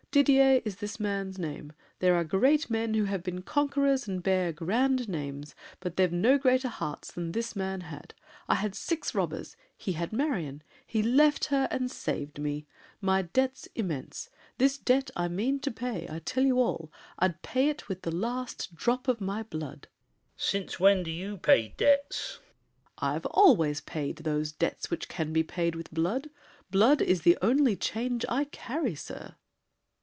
Didier is this man's name. There are great men Who have been conquerors and bear grand names, But they've no greater hearts than this man had. I had six robbers! He had Marion! He left her, and saved me. My debt's immense! This debt I mean to pay. I tell you all: I'll pay it with the last drop of my blood! VILLAC. Since when do you pay debts? SAVERNY (proudly). I've always paid Those debts which can be paid with blood. Blood is the only change I carry, sir!